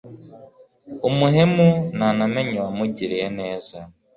umuhemu ntanamenya uwamugiriye neza